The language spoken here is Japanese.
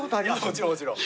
もちろんもちろん。